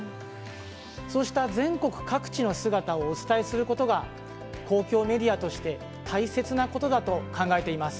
そうした全国各地の姿をお伝えすることが公共メディアとして大切なことだと考えています。